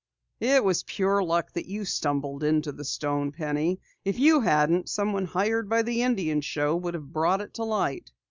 "It was pure luck that you stumbled into the stone, Penny. If you hadn't, someone hired by the Indian show would have brought it to light."